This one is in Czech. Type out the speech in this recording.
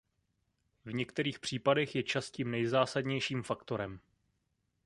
V některých případech je čas tím nejzásadnějším faktorem.